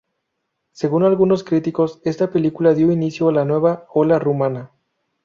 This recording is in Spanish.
Según algunos críticos, esta película dio inicio a la nueva ola rumana.